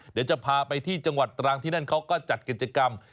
เดี๋ยวจะพาไปที่จังหวัดตรังที่นั่นเขาก็จัดกิจกรรม